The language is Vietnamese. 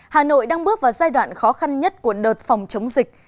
hà nội đang bước vào giai đoạn khó khăn nhất của đợt phòng chống dịch